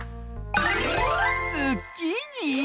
ズッキーニ？